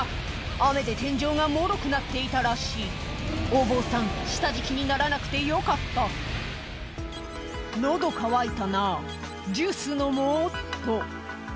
雨で天井がもろくなっていたらしいお坊さん下敷きにならなくてよかった「喉渇いたなジュース飲もうっと」